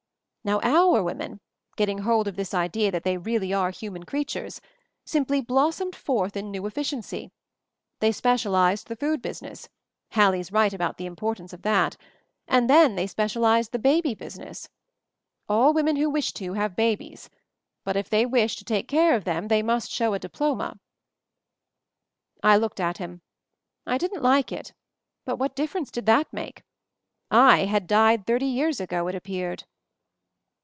"Now, our women, getting hold of this idea that they really are human creatures, simply blossomed forth in new efficiency. They specialized the food business — Hallie's right about the importance of that — and then they specialized the baby business. All .women who wish to, have babies ; but if they wish to take care of them they must show a diploma." I looked at him. I didn't like it — but what difference did that make? I had died thirty years ago, it appeared.